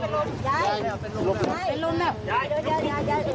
เออเออเออ